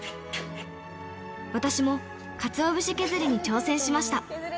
私もかつお節削りに挑戦しました。